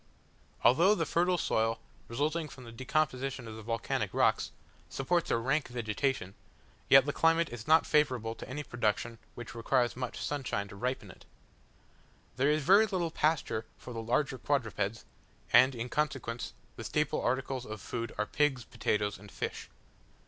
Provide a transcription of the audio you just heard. Although the fertile soil, resulting from the decomposition of the volcanic rocks, supports a rank vegetation, yet the climate is not favourable to any production which requires much sunshine to ripen it. There is very little pasture for the larger quadrupeds; and in consequence, the staple articles of food are pigs, potatoes, and fish.